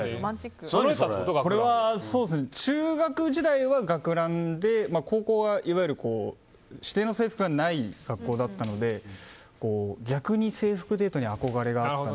これは、中学時代は学ランで高校がいわゆる指定の制服がない学校だったので逆に制服デートに憧れがあって。